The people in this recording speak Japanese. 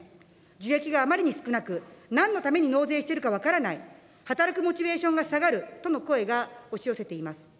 樹液があまりに少なく、なんのために納税しているか分からない、働くモチベーションが下がるとの声が押し寄せています。